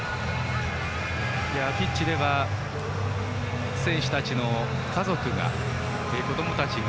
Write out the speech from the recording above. ピッチでは選手たちの家族、子どもたちが